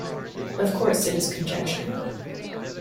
Of course it is conjecture.